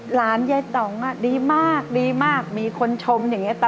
หลานยายต่องดีมากดีมากมีคนชมอย่างนี้ตลอด